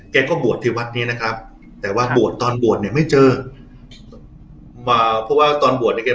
บวชที่วัดนี้นะครับแต่ว่าบวชตอนบวชเนี่ยไม่เจอมาเพราะว่าตอนบวชเนี่ยแก